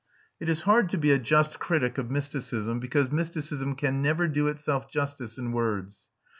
It is hard to be a just critic of mysticism because mysticism can never do itself justice in words.